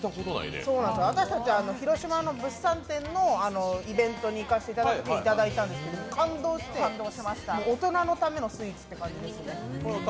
私たち、広島の物産展のイベントに行かせていただいたんですけど感動して大人のためのスイーツって感じですね。